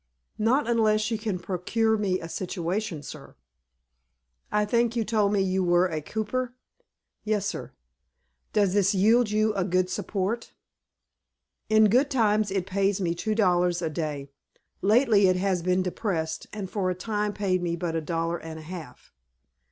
"Not unless you can procure me a situation, sir." "I think you told me you were a cooper." "Yes sir." "Does this yield you a good support?" "In good times it pays me two dollars a day. Lately it has been depressed, and for a time paid me but a dollar and a half."